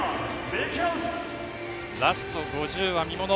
ラスト５０は見もの。